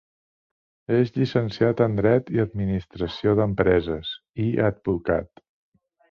És llicenciat en Dret i Administració d'Empreses, i advocat.